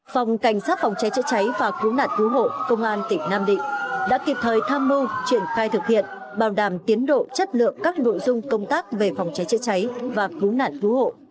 phòng cảnh sát phòng cháy chữa cháy và cứu nạn cứu hộ công an tỉnh nam định đã kịp thời tham mưu triển khai thực hiện bảo đảm tiến độ chất lượng các nội dung công tác về phòng cháy chữa cháy và cứu nạn cứu hộ